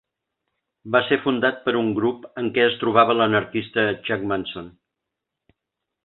Va ser fundat per un grup en què es trobava l'anarquista Chuck Munson.